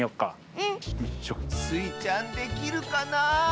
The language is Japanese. うん。スイちゃんできるかなあ？